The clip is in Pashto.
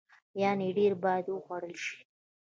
يعنې ډیر باید وخوړل شي.